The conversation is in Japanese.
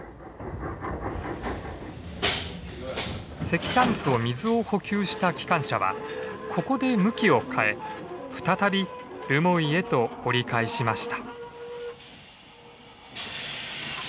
石炭と水を補給した機関車はここで向きを変え再び留萌へと折り返しました。